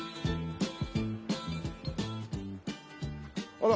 あら。